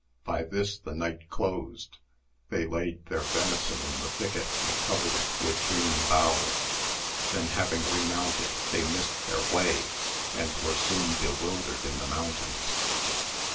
By this the night closed, they laid their venison in the thicket and covered it with green boughs, then having remounted they missed their way, and were soon bewildered in the mountains.